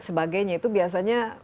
sebagainya itu biasanya